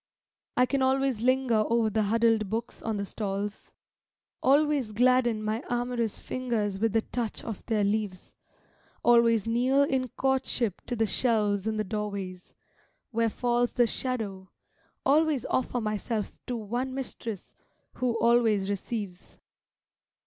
I can always linger over the huddled books on the stalls, Always gladden my amorous fingers with the touch of their leaves, Always kneel in courtship to the shelves in the doorways, where falls The shadow, always offer myself to one mistress, who always receives.